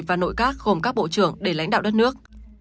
và nội các gồm các bộ trưởng để lãnh đạo đất nước